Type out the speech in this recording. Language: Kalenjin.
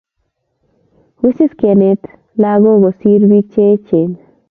Wisis kenet lagok kosir pik che echen